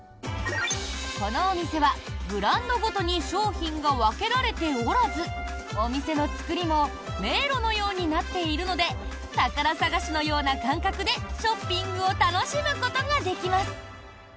このお店は、ブランドごとに商品が分けられておらずお店の作りも迷路のようになっているので宝探しのような感覚でショッピングを楽しむことができます。